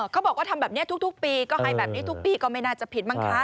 เขาบอกว่าทำแบบนี้ทุกปีก็ให้แบบนี้ทุกปีก็ไม่น่าจะผิดมั้งคะ